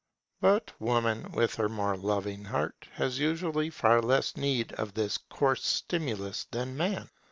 But woman with her more loving heart, has usually far less need of this coarse stimulus than man.